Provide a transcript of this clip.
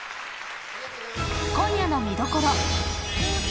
今夜の見どころ。